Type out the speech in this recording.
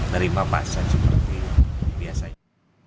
dari bapak saja seperti biasanya